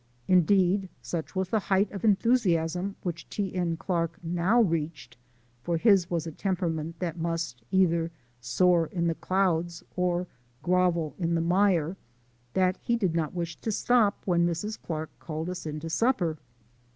Indeed, such was the height of enthusiasm which T. N. Clark now reached (for his was a temperament that must either soar in the clouds or grovel in the mire), that he did not wish to stop when Mrs. Clark called us in to supper.